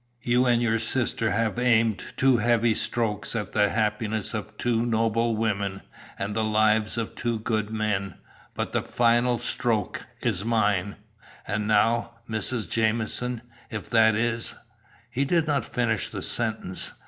You and your sister have aimed two heavy strokes at the happiness of two noble women, and the lives of two good men, but the final stroke is mine! And now, Mrs. Jamieson, if that is " He did not finish the sentence.